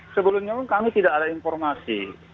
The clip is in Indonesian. sebelumnya pun kami tidak ada informasi